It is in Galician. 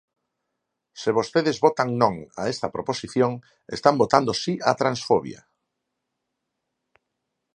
Se vostedes votan non a esta proposición, están votando si á transfobia.